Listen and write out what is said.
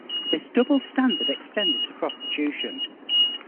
This double standard extended to prostitution.